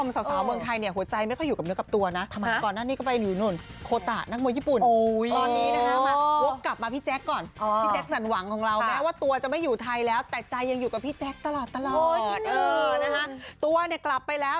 ชมสาวเมืองไทยเนี่ยหัวใจไม่ค่อยอยู่กับเนื้อกับตัว